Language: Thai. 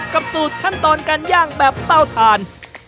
สูตรขั้นตอนการย่างแบบเต้าทาน